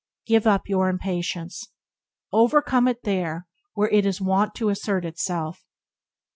Give up your impatience. Overcome it there where it is wont to assert itself.